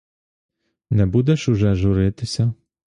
Не будеш уже журитися?